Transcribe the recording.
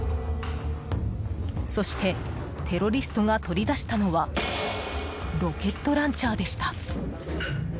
そして、テロリストが取り出したのはロケットランチャーでした。